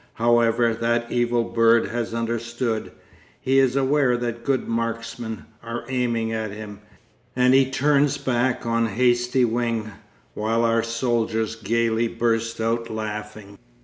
However, that evil bird has understood; he is aware that good marksmen are aiming at him, and he turns back on hasty wing, while our soldiers gaily burst out laughing.